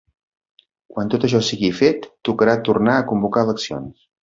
Quan tot això sigui fet, tocarà tornar a convocar eleccions.